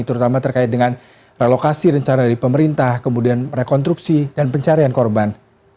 terutama terkait dengan relokasi rencana dari pemerintah kemudian rekonstruksi dan pencarian korban